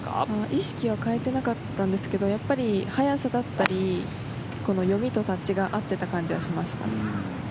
意識は変えていなかったんですが速さだったり読みとタッチが合っていた感じはしましたね。